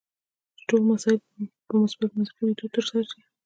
چې ټول مسایل په مثبت منطقي میتود ترسره شي.